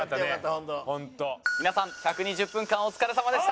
皆さん１２０分間お疲れさまでした！